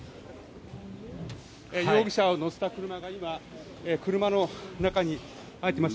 容疑者を乗せた車が今、車の中に入っていきました。